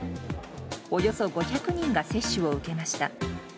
およそ５００人が接種を受けました。